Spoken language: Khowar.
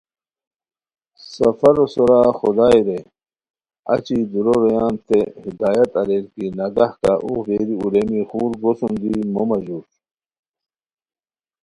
سفروسورا خدائے رئے اچی دُوورو رویانتے ہدایت اریر کی نگہہ کا اوغ بیری اولیمی خور گوسون دی مو ماژور